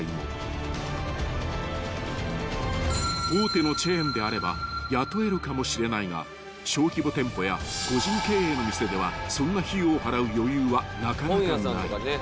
［大手のチェーンであれば雇えるかもしれないが小規模店舗や個人経営の店ではそんな費用を払う余裕はなかなかない］